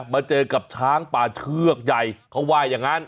มาเจอกับช้างป่าเชือกใหญ่เขาว่าอย่างนั้น